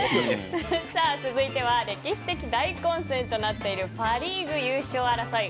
続いては歴史的大混戦となっているパ・リーグ優勝争い。